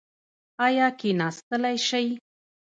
ایا کیناستلی شئ؟